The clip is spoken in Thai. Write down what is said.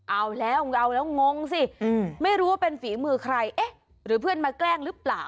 เอาแล้วเอาแล้วงงสิไม่รู้ว่าเป็นฝีมือใครเอ๊ะหรือเพื่อนมาแกล้งหรือเปล่า